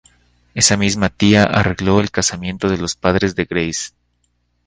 Esa misma tía arregló el casamiento de los padres de Grace.